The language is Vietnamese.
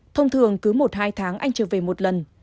thông thường cứ một hai tháng anh trở về một lần